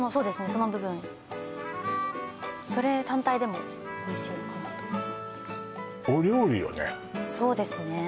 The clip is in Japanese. その部分それ単体でもおいしいかなとそうですね